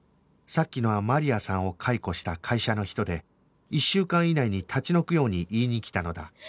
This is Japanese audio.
さっきのはマリアさんを解雇した会社の人で１週間以内に立ち退くように言いに来たのだ